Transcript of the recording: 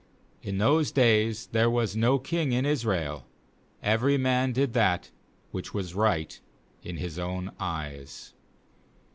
25In those days there was no king in Israel; every man did that which was right in his own eyes.